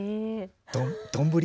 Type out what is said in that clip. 丼？